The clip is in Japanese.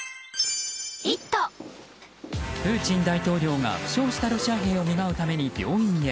プーチン大統領が負傷したロシア兵を見舞うために病院へ。